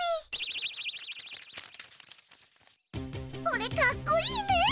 それかっこいいねえ！